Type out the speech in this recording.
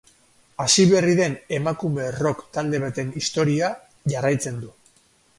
Hasi berri den emakume rock talde baten istorioa jarraitzen du.